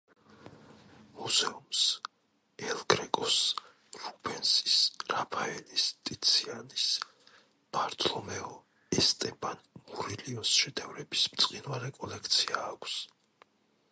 მუზეუმს ელ გრეკოს, რუბენსის, რაფაელის, ტიციანის, ბართოლომეო ესტებან მურილიოს შედევრების ბრწყინვალე კოლექცია აქვს.